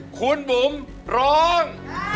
คุณบุ๋มร้อง